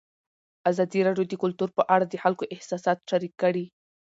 ازادي راډیو د کلتور په اړه د خلکو احساسات شریک کړي.